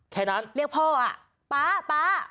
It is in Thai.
แค่นั้นเรียกพ่อว่าป๊าป๊า